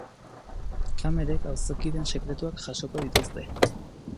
Kamerek auzokideen sekretuak jasoko dituzte.